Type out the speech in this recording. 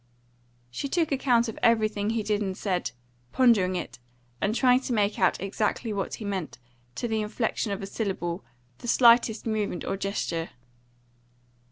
She took account of everything he did and said, pondering it, and trying to make out exactly what he meant, to the inflection of a syllable, the slightest movement or gesture.